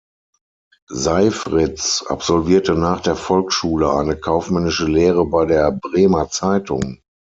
Seifriz absolvierte nach der Volksschule eine kaufmännische Lehre bei der "Bremer Zeitung".